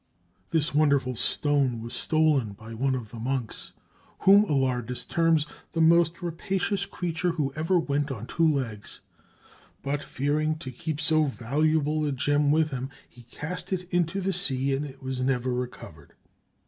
This wonderful stone was stolen by one of the monks, whom Alardus terms "the most rapacious creature who ever went on two legs"; but, fearing to keep so valuable a gem with him, he cast it into the sea and it was never recovered.